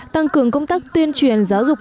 tăng cường công tác tuyên truyền giáo dục